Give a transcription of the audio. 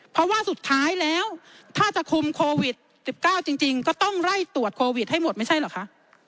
เพราะว่าสุดท้ายแล้วถ้าจะคุมโควิด๑๙จริงก็ต้องไล่ตรวจโควิดให้หมดไม่ใช่เหรอคะ